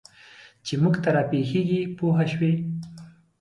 چې موږ ته را پېښېږي پوه شوې!.